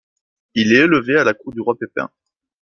Il est élevé à la Cour du roi Pépin.